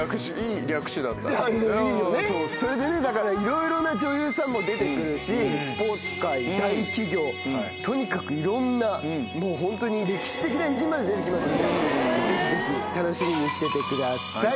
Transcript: それでねいろいろな女優さんも出て来るしスポーツ界大企業とにかくいろんなもうホントに歴史的な偉人まで出て来ますのでぜひぜひ楽しみにしててください。